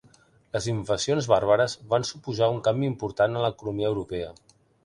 Les invasions bàrbares van suposar un canvi important en l'economia europea.